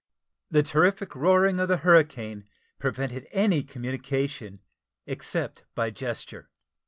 The terrific roaring of the hurricane prevented any communication, except by gesture.